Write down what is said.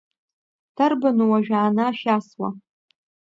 Дарбану уажәааны ашә иасуа?